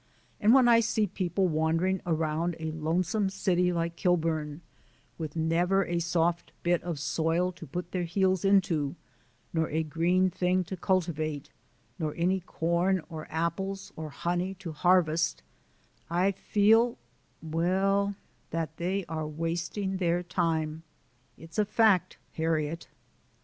And when I see people wandering around a lonesome city like Kilburn, with never a soft bit of soil to put their heels into, nor a green thing to cultivate, nor any corn or apples or honey to harvest, I feel well, that they are wasting their time. (It's a fact, Harriet!)